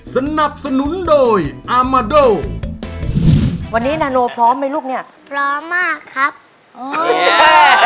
สนับสนุนโดยอามาโดวันนี้นาโนพร้อมไหมลูกเนี้ยพร้อมมากครับอ๋อ